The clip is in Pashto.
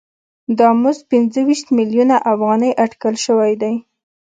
دا مزد پنځه ویشت میلیونه افغانۍ اټکل شوی دی